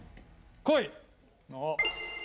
来い！